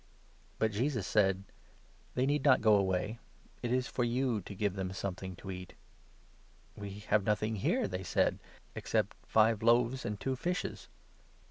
But Jesus said : "They need not go away, it is for you to give them something to eat." " We have nothing here," they said, "except five loaves and two fishes."